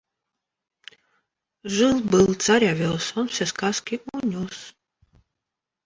Жил-был царь овес, он все сказки унес.